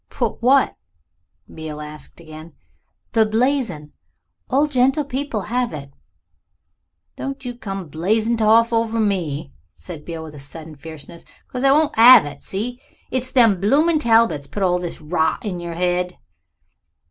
"Put what?" Beale asked again. "The blazon. All gentlepeople have it." "Don't you come the blazing toff over me," said Beale with sudden fierceness, "'cause I won't 'ave it. See? It's them bloomin' Talbots put all this rot into your head."